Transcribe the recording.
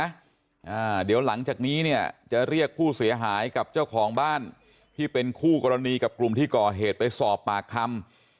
อ่าเดี๋ยวหลังจากนี้เนี่ยจะเรียกผู้เสียหายกับเจ้าของบ้านที่เป็นคู่กรณีกับกลุ่มที่ก่อเหตุไปสอบปากคำ